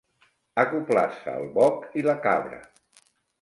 Acoblar-se el boc i la cabra.